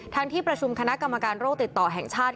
ที่ประชุมคณะกรรมการโรคติดต่อแห่งชาติ